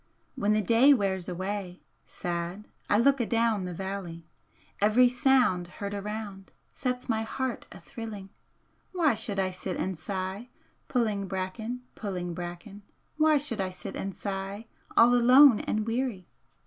When the day wears away Sad I look adown the valley, Every sound heard around Sets my heart a thrilling, Why should I sit and sigh, Pu'in' bracken, pu'in' bracken, Why should I sit and sigh All alone and weary!